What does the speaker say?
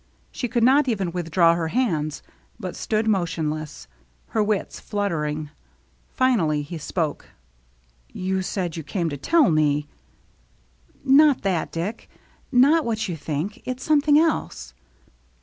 She could not even withdraw her hands, but stood motionless, her wits fluttering. Finally he spoke :—" You said you came to tell me —" "Not that, Dick — not what you think. It's something else."